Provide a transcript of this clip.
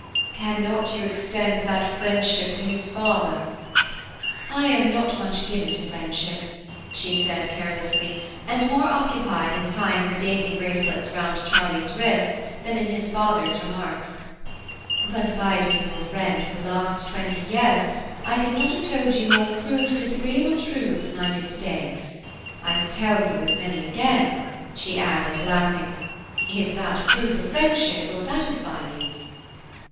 "Cannot you extend that friendship to his father?" "I am not much given to friendship," she said carelessly, and more occupied in tying her daisy bracelets round Charlie's wrists than in his father's remarks. "But if I had been your friend for the last twenty years, I could not have told you more crude, disagreeable truths than I did to day. I can tell you as many again," she added, laughing, "if that proof of friendship will satisfy you."